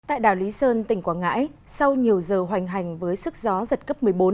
tại đảo lý sơn tỉnh quảng ngãi sau nhiều giờ hoành hành với sức gió giật cấp một mươi bốn